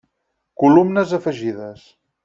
Columnes afegides.